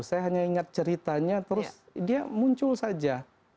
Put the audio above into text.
saya hanya ingat ceritanya terus dia muncul saja